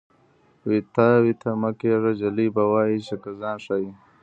وېته وېته مه کېږه جلکۍ به وایې چې که ځان ښایې.